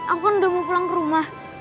aku udah mau pulang ke rumah